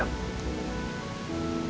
cara buat verdugya